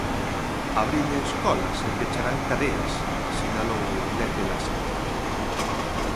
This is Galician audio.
"Abride escolas e pecharán cadeas", sinalou Lete Lasa.